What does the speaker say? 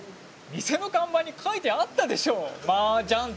店の看板に書いてあったでしょ麻雀って。